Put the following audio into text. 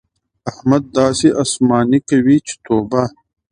احمد داسې اسماني کوي چې توبه!